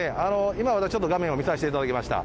今、私、ちょっと画面を見させていただきました。